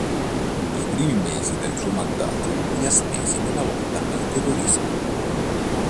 I primi mesi del suo mandato li ha spesi nella lotta al terrorismo.